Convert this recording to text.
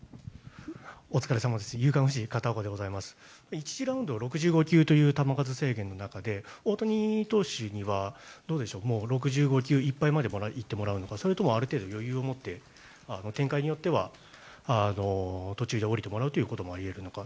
１次ラウンド、６５球という球数制限の中で大谷投手には６５球いっぱいまで行ってもらうのかそれともある程度、余裕を持って展開によっては途中で降りてもらうこともあるのか。